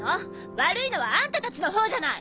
悪いのはあんたたちのほうじゃない！